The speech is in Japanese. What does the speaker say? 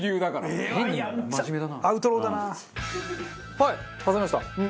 はい挟みました。